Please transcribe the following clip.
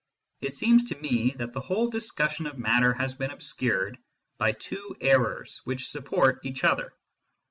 It seems to me that the whole discussion of matter has been obscured by two errors which support each other.